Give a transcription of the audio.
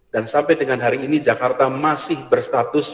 dan sampai dengan hari ini jakarta masih berstatus